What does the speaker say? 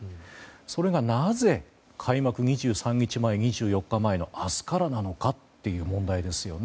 それがなぜ開幕２４日前の明日からなのかという問題ですよね。